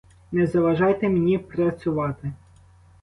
Не заважайте мені працювати!